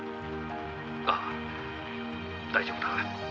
「ああ大丈夫だ。